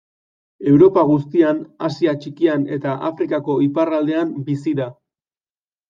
Europa guztian, Asia Txikian eta Afrikako iparraldean bizi da.